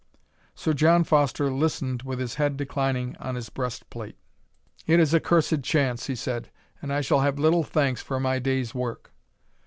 Sir John Foster listened with his head declining on his breast plate. "It is a cursed chance," he said, "and I shall have little thanks for my day's work."